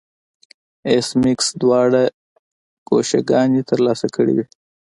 ایس میکس دواړه کشوګانې ترلاسه کړې وې